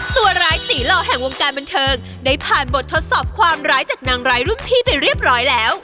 ตัวร้ายตีหล่อแห่งวงการบันเทิงได้ผ่านบททดสอบความร้ายจากนางร้ายรุ่นพี่ไปเรียบร้อยแล้ว